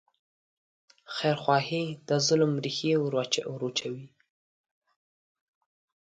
خیرخواهي د ظلم ریښې وروچوي.